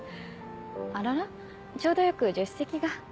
あららちょうどよく助手席が。